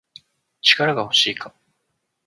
力が欲しいか